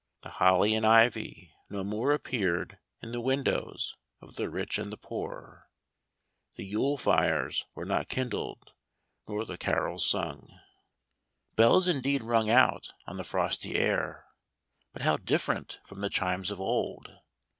The holly and ivy no more appeared in the windows of the rich and the poor. The Yule fires were not kindled, nor the carols sung. 88 NO CHRISTMAS ! NO CHRISTMAS ! Bells indeed rung out on the frosty air, but how dif ferent from the chimes of old